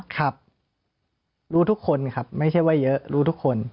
ครับรู้ทุกคนครับไม่ใช่ว่าเยอะรู้ทุกคน